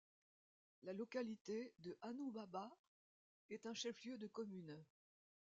La localité de Anoumaba est un chef-lieu de commune.